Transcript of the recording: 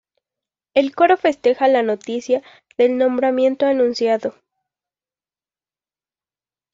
El coro festeja la noticia del nombramiento anunciado.